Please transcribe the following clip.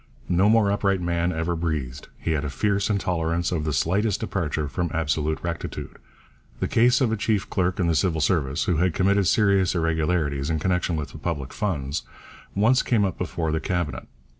No more upright man ever breathed. He had a fierce intolerance of the slightest departure from absolute rectitude. The case of a chief clerk in the Civil Service, who had committed serious irregularities in connection with the public funds, once came up before the Cabinet.